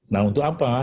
nah untuk apa